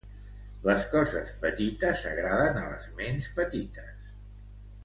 Les coses petites agraden a les ments petites